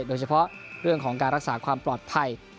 โดยเฉพาะเรื่องของการรักษาความปลอดภัย